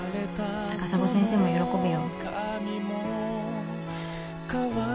高砂先生も喜ぶよ